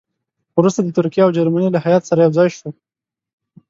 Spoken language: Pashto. وروسته د ترکیې او جرمني له هیات سره یو ځای شو.